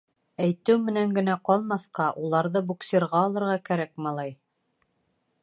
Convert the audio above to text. — Әйтеү менән генә ҡалмаҫҡа, уларҙы «буксирға» алырға кәрәк, малай!